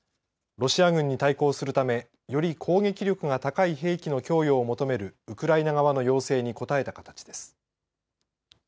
ロシア軍に対抗するためより攻撃力が高い兵器の供与を求めるウクライナ側の要請に応えた形です。